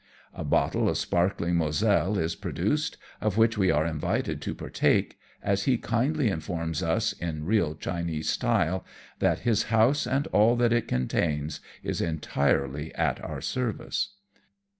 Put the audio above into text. A bottle of sparkling Moselle is pro duced, of which we are invited to partake, as he kindly informs us, in real Chinese style, that his house and all that it contains is entirely at our service.